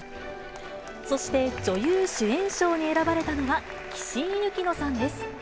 そして女優主演賞に選ばれたのは、岸井ゆきのさんです。